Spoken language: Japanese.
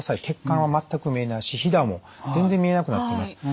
血管は全く見えないしひだも全然見えなくなっています。